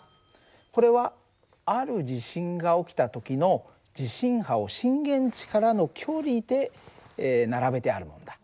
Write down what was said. これはある地震が起きた時の地震波を震源地からの距離で並べてあるんだ。